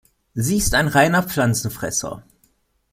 Sie ist ein reiner Pflanzenfresser.